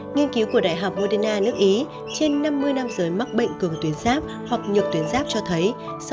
nghiên cứu của đại học moderna nước ý trên năm mươi nam giới mắc bệnh cường tuyến giáp hoặc nhược tuyến giáp cho thấy